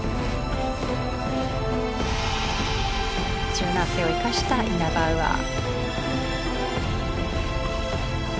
柔軟性を生かしたイナバウアー。